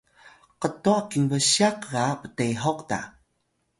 ktwa kinbsya ga ptehuk ta?